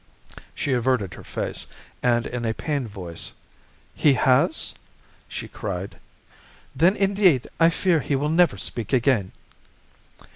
"She averted her face, and in a pained voice "'He has?' she cried. 'Then, indeed, I fear he will never speak again.